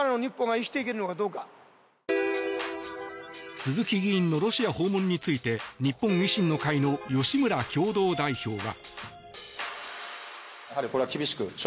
鈴木議員のロシア訪問について日本維新の会の吉村共同代表は。